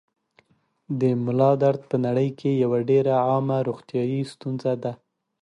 د ملا درد په نړۍ کې یوه ډېره عامه روغتیايي ستونزه ده.